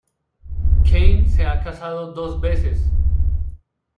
Caine se ha casado dos veces.